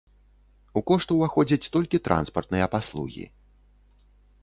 У кошт уваходзяць толькі транспартныя паслугі.